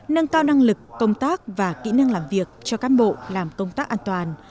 nâng cao năng lực công tác và kỹ năng làm việc cho cán bộ làm công tác an toàn